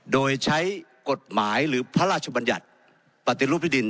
โดยใช้กฎหมายหรือพระราชบัญญัติปฏิรูปที่ดิน